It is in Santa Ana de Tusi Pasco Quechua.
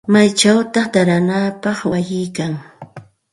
¿Maychawta taaranapaq wayi kan?